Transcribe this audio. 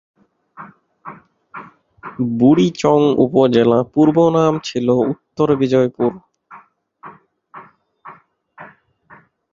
বুড়িচং উপজেলার পূর্বনাম ছিল উত্তর বিজয়পুর।